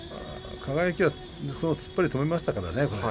輝は突っ張りを止めましたからね。